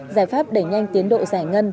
giải pháp để nhanh tiến độ giải ngân